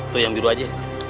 tuh yang biru aja